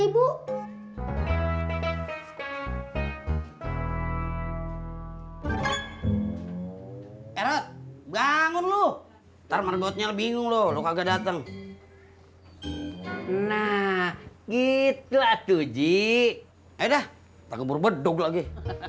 aku eret bangun lu taruh bautnya bingung lu kagak datang nah gitu aduji ayo dah tak berbentuk lagi